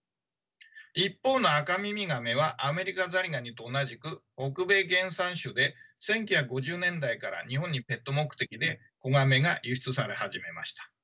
一方のアカミミガメはアメリカザリガニと同じく北米原産種で１９５０年代から日本にペット目的で子ガメが輸出され始めました。